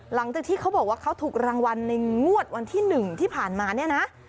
หลังจากที่เขาบอกว่าเขาถูกรางวัลในงวดวันที่๑ที่ผ่านมาเนี่ยนะ